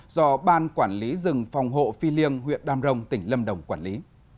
do ban quản lý rừng phòng hộ phi liêng huyện đam rồng tỉnh lâm đồng quản lý